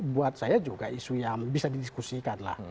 buat saya juga isu yang bisa didiskusikan lah